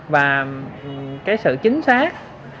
và cái sự chính xác